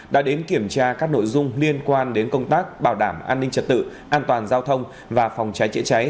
đã đến kiểm tra các nội dung liên quan đến công tác bảo đảm an ninh trật tự an toàn giao thông và phòng cháy chữa cháy